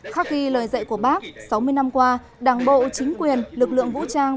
khác ghi lời dạy của bác sáu mươi năm qua đảng bộ chính quyền lực lượng vũ trang